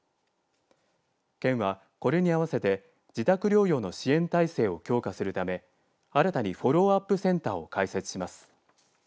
県は、これに合わせて自宅療養の支援体制を強化するため新たにフォローアップセンターを開設します。